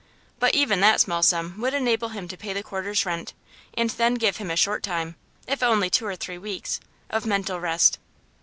But even that small sum would enable him to pay the quarter's rent, and then give him a short time, if only two or three weeks, of mental rest.